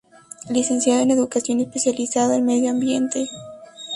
Licenciado en Educación, especializado en medio ambiente.